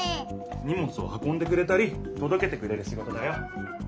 にもつをはこんでくれたりとどけてくれるシゴトだよ。